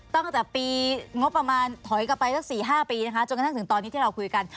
ตั้งแต่ปีงบประมาณถอยกลับไปสัก๔๕ปีนะคะจนกระทั่งถึงตอนนี้ที่เราคุยกัน